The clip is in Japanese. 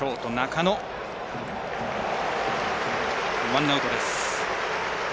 ワンアウトです。